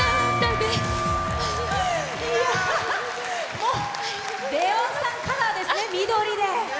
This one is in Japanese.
もうレオンさんカラーですね、緑で。